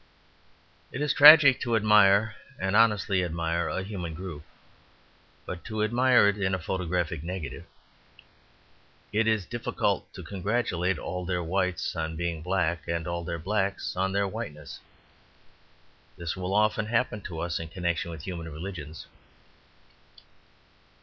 It is tragic to admire and honestly admire a human group, but to admire it in a photographic negative. It is difficult to congratulate all their whites on being black and all their blacks on their whiteness. This will often happen to us in connection with human religions.